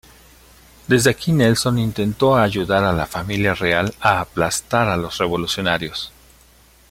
Desde aquí Nelson intentó ayudar a la familia real a aplastar a los revolucionarios.